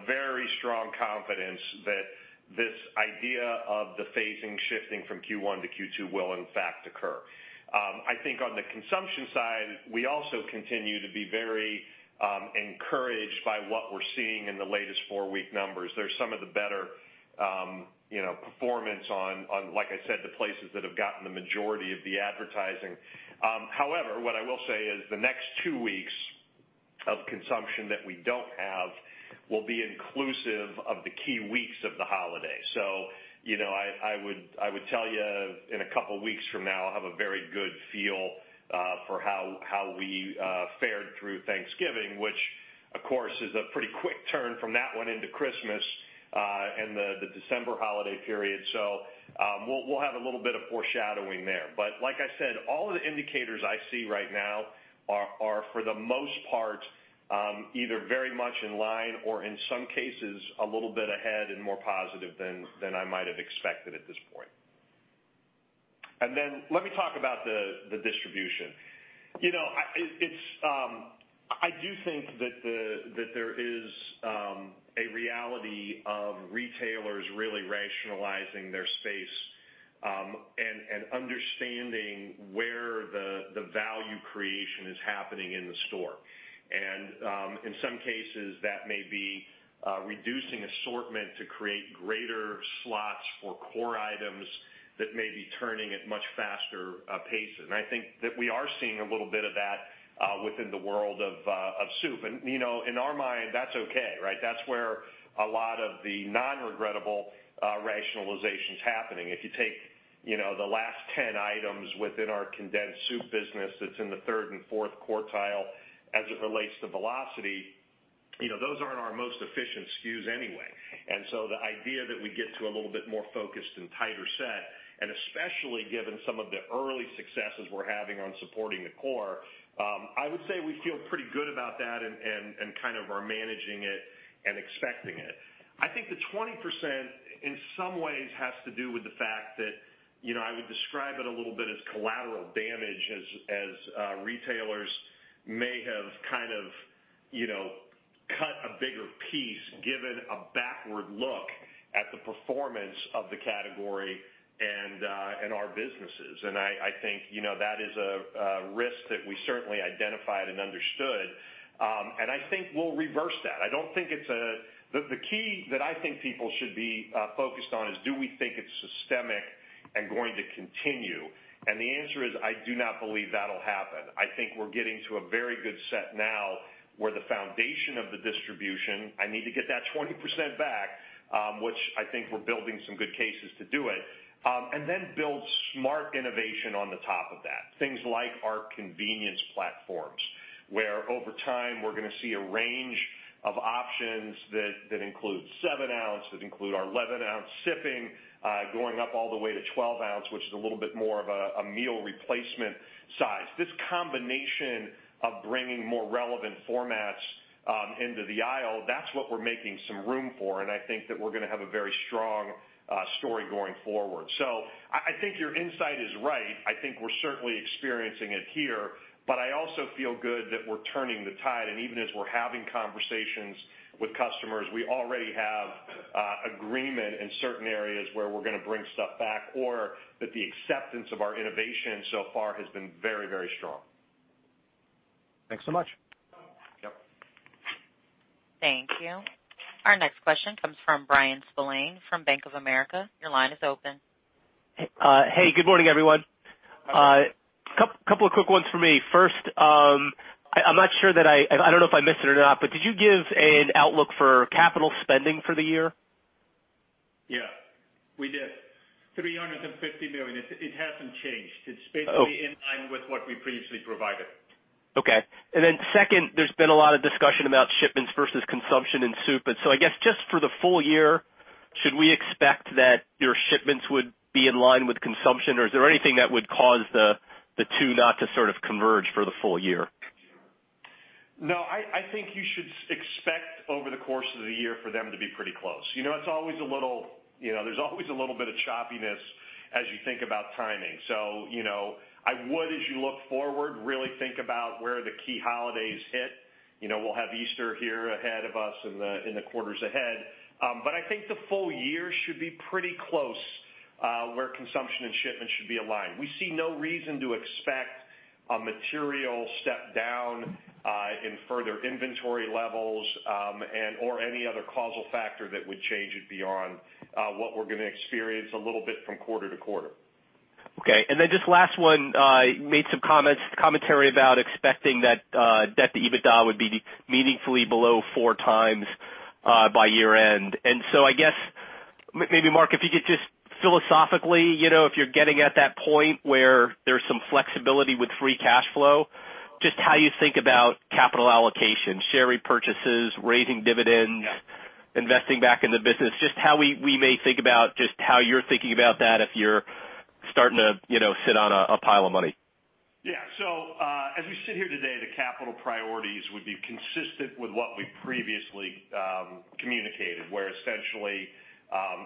very strong confidence that this idea of the phasing shifting from Q1 to Q2 will in fact occur. I think on the consumption side, we also continue to be very encouraged by what we're seeing in the latest four-week numbers. There's some of the better performance on, like I said, the places that have gotten the majority of the advertising. However, what I will say is the next two weeks of consumption that we don't have will be inclusive of the key weeks of the holiday. I would tell you, in a couple of weeks from now, I'll have a very good feel for how we fared through Thanksgiving, which, of course, is a pretty quick turn from that one into Christmas, and the December holiday period. We'll have a little bit of foreshadowing there. Like I said, all of the indicators I see right now are, for the most part, either very much in line or in some cases, a little bit ahead and more positive than I might have expected at this point. Let me talk about the distribution. I do think that there is a reality of retailers really rationalizing their space, and understanding where the value creation is happening in the store. In some cases, that may be reducing assortment to create greater slots for core items that may be turning at much faster paces. I think that we are seeing a little bit of that within the world of soup. In our mind, that's okay, right? That's where a lot of the non-regrettable rationalization's happening. If you take the last 10 items within our condensed soup business that's in the third and fourth quartile as it relates to velocity, those aren't our most efficient SKUs anyway. The idea that we get to a little bit more focused and tighter set, and especially given some of the early successes we're having on supporting the core, I would say we feel pretty good about that and kind of are managing it and expecting it. I think the 20% in some ways has to do with the fact that, I would describe it a little bit as collateral damage as retailers may have cut a bigger piece, given a backward look at the performance of the category and our businesses. I think that is a risk that we certainly identified and understood, and I think we'll reverse that. The key that I think people should be focused on is do we think it's systemic and going to continue? The answer is I do not believe that'll happen. I think we're getting to a very good set now where the foundation of the distribution, I need to get that 20% back, which I think we're building some good cases to do it, and then build smart innovation on the top of that. Things like our convenience platforms, where over time we're going to see a range of options that include 7 ounce, that include our 11-ounce sipping, going up all the way to 12 ounce, which is a little bit more of a meal replacement size. This combination of bringing more relevant formats into the aisle, that's what we're making some room for, and I think that we're going to have a very strong story going forward. I think your insight is right. I think we're certainly experiencing it here, but I also feel good that we're turning the tide, and even as we're having conversations with customers, we already have agreement in certain areas where we're going to bring stuff back or that the acceptance of our innovation so far has been very, very strong.
Thanks so much.
Yep.
Thank you. Our next question comes from Bryan Spillane from Bank of America. Your line is open.
Hey, good morning, everyone.
Hi.
Couple of quick ones from me. First, I don't know if I missed it or not, but did you give an outlook for capital spending for the year?
Yeah, we did. $350 million. It hasn't changed.
Oh.
It's basically in line with what we previously provided.
Okay. Second, there's been a lot of discussion about shipments versus consumption in soup. I guess just for the full year, should we expect that your shipments would be in line with consumption or is there anything that would cause the two not to sort of converge for the full year?
No, I think you should expect over the course of the year for them to be pretty close. There's always a little bit of choppiness as you think about timing. I would, as you look forward, really think about where the key holidays hit. We'll have Easter here ahead of us in the quarters ahead. I think the full year should be pretty close where consumption and shipments should be aligned. We see no reason to expect a material step down in further inventory levels, or any other causal factor that would change it beyond what we're going to experience a little bit from quarter to quarter.
Okay. Just last one, you made some commentary about expecting that the EBITDA would be meaningfully below 4x by year end. I guess maybe, Mark, if you could just philosophically, if you're getting at that point where there's some flexibility with free cash flow, just how you think about capital allocation, share repurchases, raising dividends, investing back in the business, just how you're thinking about that if you're starting to sit on a pile of money.
As we sit here today, the capital priorities would be consistent with what we previously communicated, where essentially,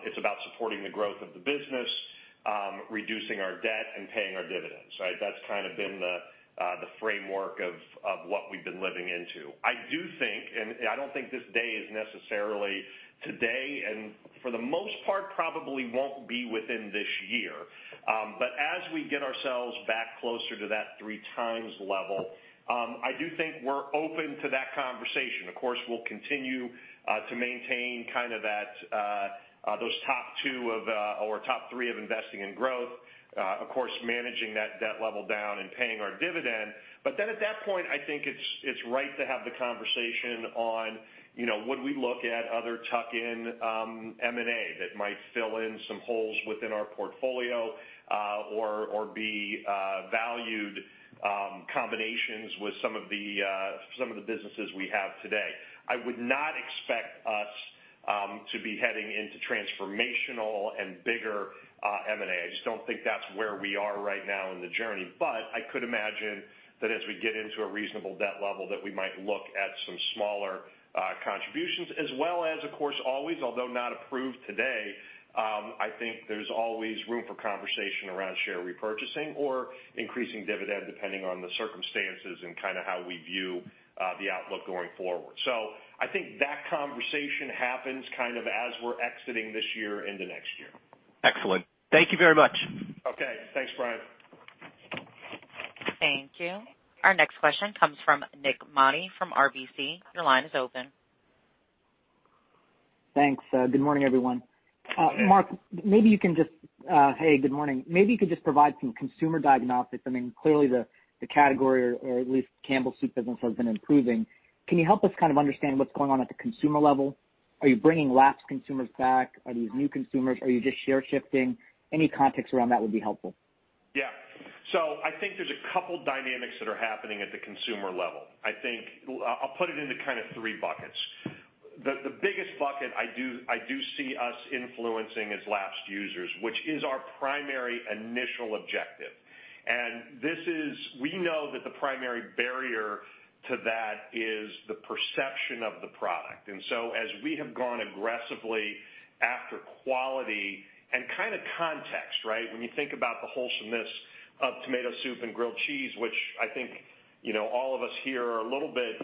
it's about supporting the growth of the business, reducing our debt and paying our dividends, right? That's kind of been the framework of what we've been living into. I do think, and I don't think this day is necessarily today, and for the most part, probably won't be within this year. As we get ourselves back closer to that three times level, I do think we're open to that conversation. Of course, we'll continue to maintain those top two or top three of investing in growth. Of course, managing that debt level down and paying our dividend. At that point, I think it's right to have the conversation on would we look at other tuck-in M&A that might fill in some holes within our portfolio or be valued combinations with some of the businesses we have today. I would not expect us to be heading into transformational and bigger M&A. I just don't think that's where we are right now in the journey. I could imagine that as we get into a reasonable debt level, that we might look at some smaller contributions as well as, of course, always, although not approved today, I think there's always room for conversation around share repurchasing or increasing dividend depending on the circumstances and kind of how we view the outlook going forward. I think that conversation happens kind of as we're exiting this year into next year.
Excellent. Thank you very much.
Okay. Thanks, Bryan.
Thank you. Our next question comes from Nik Modi from RBC. Your line is open.
Thanks. Good morning, everyone. Hey, good morning. Maybe you could just provide some consumer diagnostics. Clearly the category, or at least the Campbell Soup business has been improving. Can you help us kind of understand what's going on at the consumer level? Are you bringing lapsed consumers back? Are these new consumers? Are you just share shifting? Any context around that would be helpful.
I think there's a couple dynamics that are happening at the consumer level. I'll put it into kind of three buckets. The biggest bucket I do see us influencing is lapsed users, which is our primary initial objective. We know that the primary barrier to that is the perception of the product. As we have gone aggressively after quality and kind of context, right? When you think about the wholesomeness of tomato soup and grilled cheese, which I think all of us here are a little bit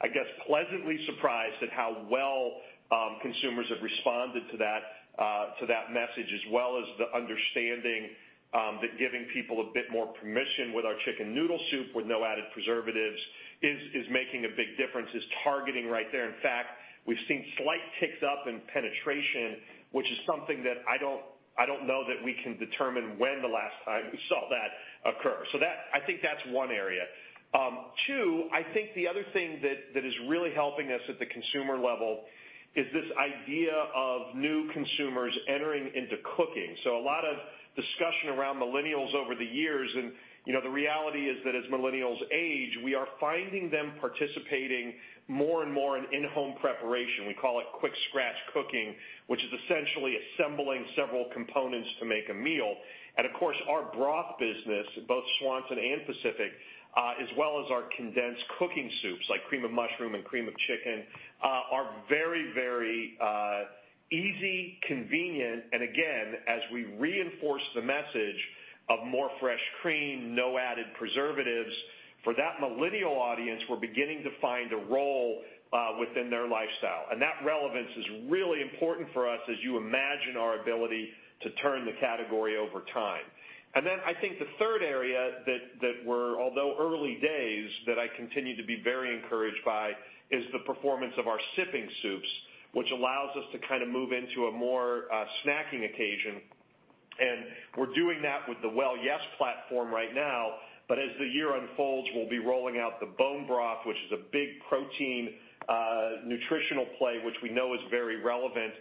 I guess pleasantly surprised at how well consumers have responded to that message, as well as the understanding that giving people a bit more permission with our chicken noodle soup with no added preservatives is making a big difference, is targeting right there. In fact, we've seen slight ticks up in penetration, which is something that I don't know that we can determine when the last time we saw that occur. I think that's one area. Two, I think the other thing that is really helping us at the consumer level is this idea of new consumers entering into cooking. A lot of discussion around millennials over the years, and the reality is that as millennials age, we are finding them participating more and more in in-home preparation. We call it quick scratch cooking, which is essentially assembling several components to make a meal. Of course, our broth business, both Swanson and Pacific, as well as our condensed cooking soups like Cream of Mushroom and Cream of Chicken, are very, very easy, convenient, and again, as we reinforce the message of more fresh cream, no added preservatives, for that millennial audience, we're beginning to find a role within their lifestyle. That relevance is really important for us as you imagine our ability to turn the category over time. Then I think the third area that we're, although early days, that I continue to be very encouraged by, is the performance of our sipping soups, which allows us to kind of move into a more snacking occasion. We're doing that with the Well Yes! platform right now, but as the year unfolds, we'll be rolling out the bone broth, which is a big protein nutritional play, which we know is very relevant,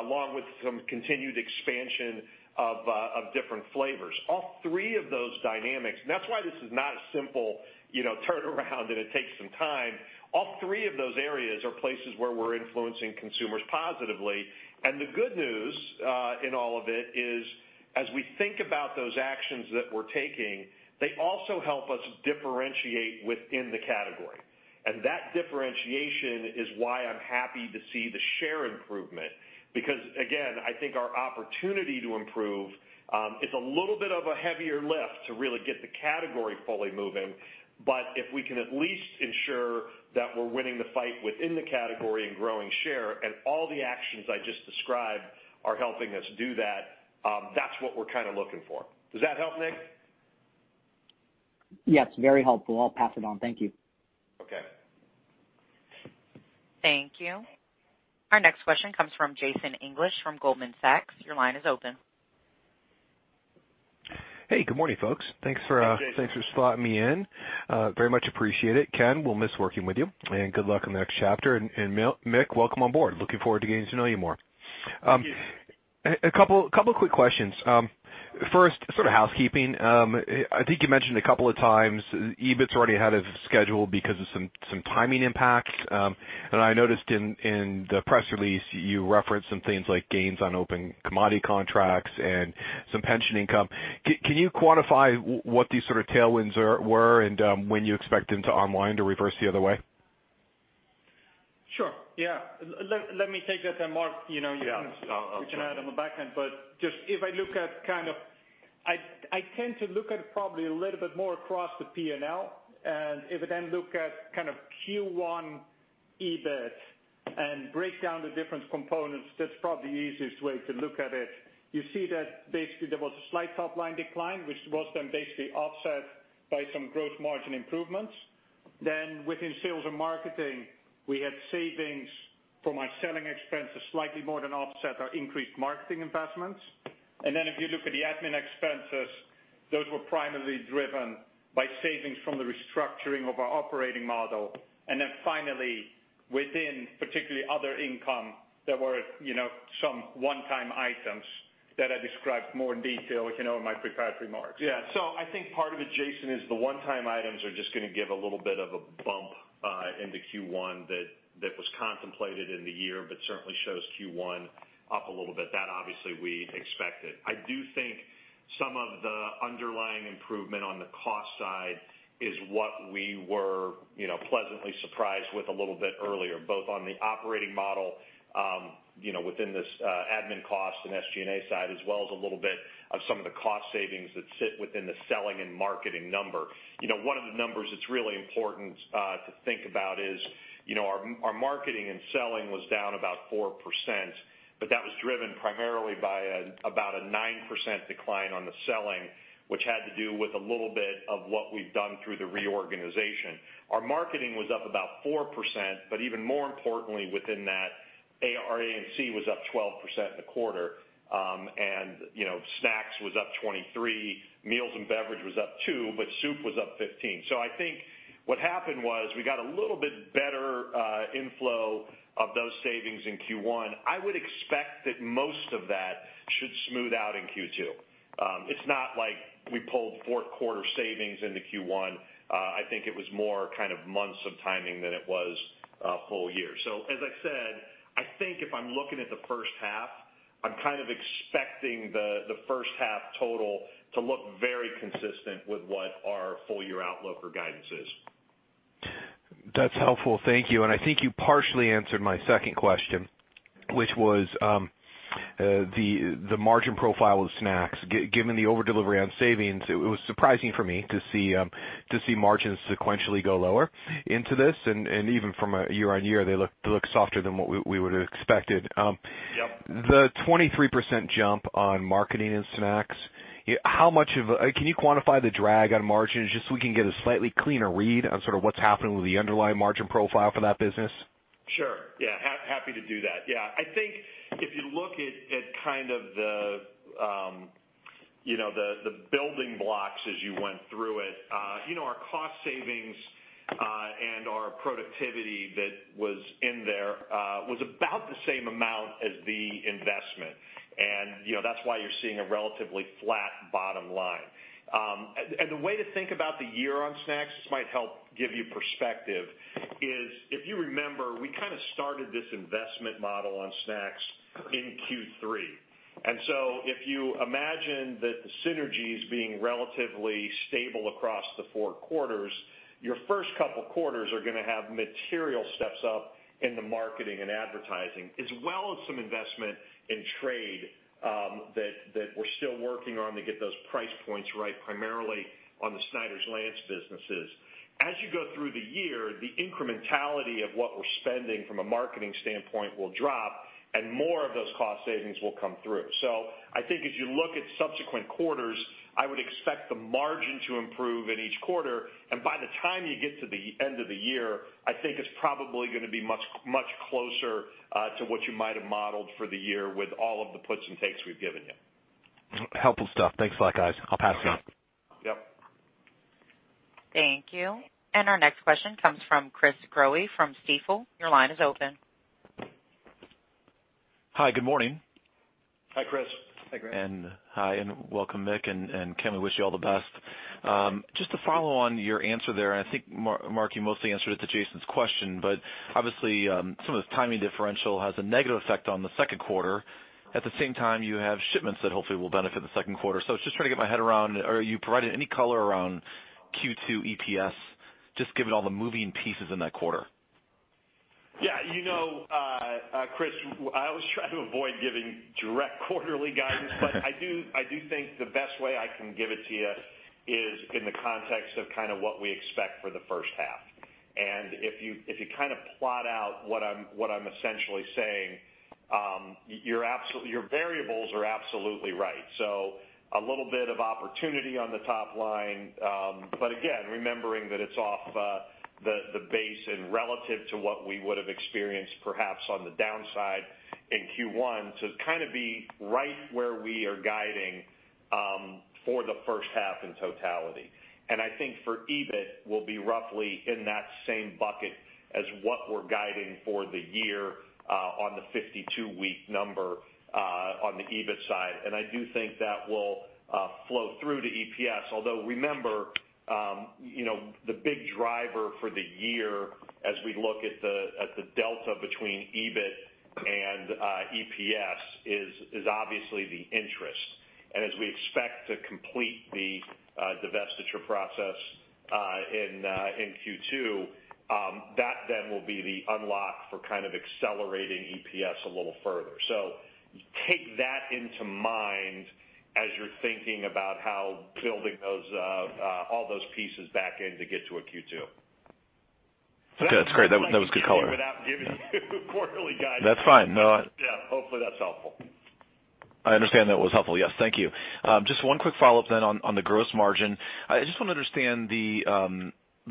along with some continued expansion of different flavors. All three of those dynamics, and that's why this is not a simple turnaround and it takes some time. All three of those areas are places where we're influencing consumers positively. The good news in all of it is, as we think about those actions that we're taking, they also help us differentiate within the category. That differentiation is why I'm happy to see the share improvement. Because again, I think our opportunity to improve, it's a little bit of a heavier lift to really get the category fully moving, but if we can at least ensure that we're winning the fight within the category and growing share and all the actions I just described are helping us do that's what we're kind of looking for. Does that help, Nik?
Yes, very helpful. I'll pass it on. Thank you.
Okay.
Thank you. Our next question comes from Jason English from Goldman Sachs. Your line is open.
Hey, good morning, folks.
Hey, Jason.
Thanks for slotting me in. Very much appreciate it. Ken, we'll miss working with you, and good luck on the next chapter. Mick, welcome on board. Looking forward to getting to know you more.
Thank you.
A couple quick questions. First, sort of housekeeping. I think you mentioned a couple of times, EBIT's already ahead of schedule because of some timing impacts. I noticed in the press release, you referenced some things like gains on open commodity contracts and some pension income. Can you quantify what these sort of tailwinds were and when you expect them to unwind or reverse the other way?
Sure, yeah. Let me take that, then Mark.
Yeah. I'll try.
You can add on the back end, but just if I look at kind of, I tend to look at it probably a little bit more across the P&L. If I then look at kind of Q1 EBIT and break down the different components, that's probably the easiest way to look at it. You see that basically there was a slight top-line decline, which was then basically offset by some growth margin improvements. Within sales and marketing, we had savings from our selling expenses slightly more than offset our increased marketing investments. If you look at the admin expenses, those were primarily driven by savings from the restructuring of our operating model. Finally, within particularly other income, there were some one-time items that I described more in detail in my prepared remarks.
Yeah. I think part of it, Jason, is the one-time items are just going to give a little bit of a bump into Q1 that was contemplated in the year, but certainly shows Q1 up a little bit. That obviously we expected. I do think some of the underlying improvement on the cost side is what we were pleasantly surprised with a little bit earlier, both on the operating model within this admin cost and SG&A side as well as a little bit of some of the cost savings that sit within the selling and marketing number. One of the numbers that's really important to think about is our marketing and selling was down about 4%, but that was driven primarily by about a 9% decline on the selling, which had to do with a little bit of what we've done through the reorganization. Our marketing was up about 4%, but even more importantly within that, A&C was up 12% in the quarter. Snacks was up 23, meals and beverage was up two, but soup was up 15. I think what happened was we got a little bit better inflow of those savings in Q1. I would expect that most of that should smooth out in Q2. It's not like we pulled fourth quarter savings into Q1. I think it was more kind of months of timing than it was a whole year. As I said, I think if I'm looking at the first half, I'm kind of expecting the first half total to look very consistent with what our full year outlook or guidance is.
That's helpful. Thank you. I think you partially answered my second question, which was the margin profile of snacks. Given the over-delivery on savings, it was surprising for me to see margins sequentially go lower into this and even from a year-on-year, they look softer than what we would've expected.
Yep.
The 23% jump on marketing and Snacks, can you quantify the drag on margins just so we can get a slightly cleaner read on what's happening with the underlying margin profile for that business?
Sure, yeah. Happy to do that. Yeah. I think if you look at the building blocks as you went through it, our cost savings, and our productivity that was in there, was about the same amount as the investment. That's why you're seeing a relatively flat bottom line. The way to think about the year on snacks, this might help give you perspective is if you remember, we started this investment model on snacks in Q3. If you imagine the synergies being relatively stable across the four quarters, your first couple of quarters are going to have material steps up in the marketing and advertising, as well as some investment in trade, that we're still working on to get those price points right, primarily on the Snyder's-Lance businesses. As you go through the year, the incrementality of what we're spending from a marketing standpoint will drop and more of those cost savings will come through. I think as you look at subsequent quarters, I would expect the margin to improve in each quarter, and by the time you get to the end of the year, I think it's probably going to be much closer to what you might have modeled for the year with all of the puts and takes we've given you.
Helpful stuff. Thanks a lot, guys. I'll pass it on.
Yep.
Thank you. Our next question comes from Chris Growe from Stifel. Your line is open.
Hi, good morning.
Hi, Chris.
Hi, Chris.
Hi and welcome, Mick and Ken, we wish you all the best. Just to follow on your answer there, and I think, Mark, you mostly answered it to Jason's question, but obviously, some of the timing differential has a negative effect on the second quarter. At the same time, you have shipments that hopefully will benefit the second quarter. I was just trying to get my head around, are you providing any color around Q2 EPS, just given all the moving pieces in that quarter?
Chris, I always try to avoid giving direct quarterly guidance, but I do think the best way I can give it to you is in the context of what we expect for the first half. If you plot out what I'm essentially saying, your variables are absolutely right. A little bit of opportunity on the top line, but again, remembering that it's off the base and relative to what we would've experienced perhaps on the downside in Q1 to be right where we are guiding for the first half in totality. I think for EBIT, we'll be roughly in that same bucket as what we're guiding for the year, on the 52-week number, on the EBIT side. I do think that will flow through to EPS, although remember, the big driver for the year as we look at the delta between EBIT and EPS is obviously the interest. As we expect to complete the divestiture process in Q2, that then will be the unlock for accelerating EPS a little further. Take that into mind as you're thinking about how building all those pieces back in to get to a Q2.
Okay. That's great. That was good color.
Without giving you quarterly guidance.
That's fine. No.
Yeah. Hopefully that's helpful.
I understand that was helpful. Yes. Thank you. Just one quick follow-up on the gross margin. I just want to understand,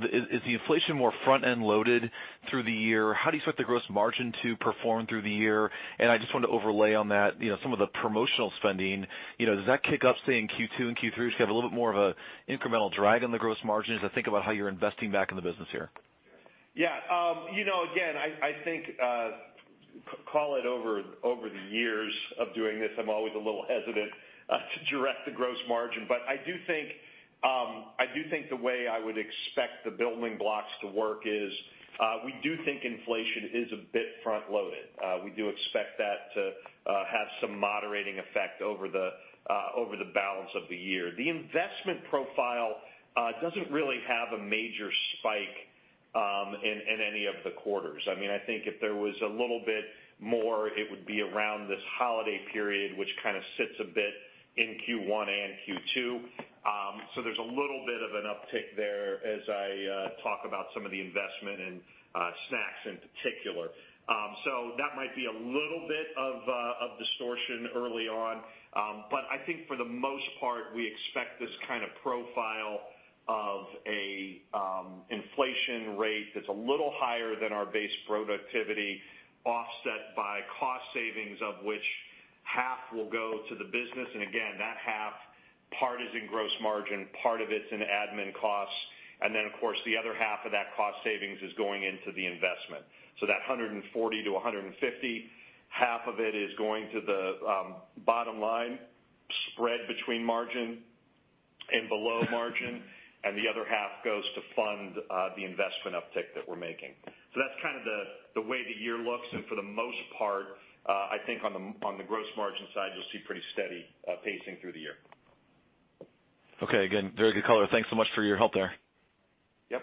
is the inflation more front-end loaded through the year? How do you expect the gross margin to perform through the year? I just want to overlay on that some of the promotional spending. Does that kick up, say, in Q2 and Q3? Do you have a little bit more of an incremental drag on the gross margins as I think about how you're investing back in the business here?
Yeah. Again, I think, call it over the years of doing this, I'm always a little hesitant to direct the gross margin. I do think the way I would expect the building blocks to work is, we do think inflation is a bit front-loaded. We do expect that to have some moderating effect over the balance of the year. The investment profile doesn't really have a major spike in any of the quarters. I think if there was a little bit more, it would be around this holiday period, which sits a bit in Q1 and Q2. There's a little bit of an uptick there as I talk about some of the investment in snacks in particular. That might be a little bit of distortion early on. I think for the most part, we expect this kind of profile of a inflation rate that's a little higher than our base productivity offset by cost savings of which half will go to the business. Again, that half part is in gross margin, part of it's in admin costs, and then of course, the other half of that cost savings is going into the investment. That 140 to 150, half of it is going to the bottom line spread between margin and below margin, and the other half goes to fund the investment uptick that we're making. That's the way the year looks, and for the most part, I think on the gross margin side, you'll see pretty steady pacing through the year.
Okay. Again, very good color. Thanks so much for your help there.
Yep.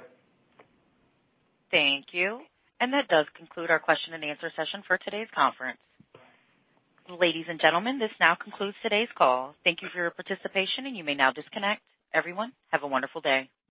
Thank you. That does conclude our question and answer session for today's conference. Ladies and gentlemen, this now concludes today's call. Thank you for your participation, and you may now disconnect. Everyone, have a wonderful day.